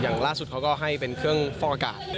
อย่างล่าสุดเขาก็ให้เป็นเครื่องฟอกอากาศ